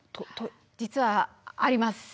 実はあります。